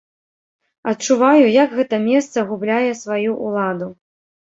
Адчуваю, як гэта месца губляе сваю ўладу.